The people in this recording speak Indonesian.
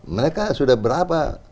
mereka sudah berapa